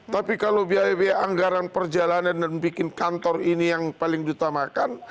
tapi kalau biaya biaya anggaran perjalanan dan bikin kantor ini yang paling diutamakan